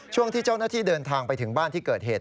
ช่วงที่เจ้าหน้าที่เดินทางไปถึงบ้านที่เกิดเหตุ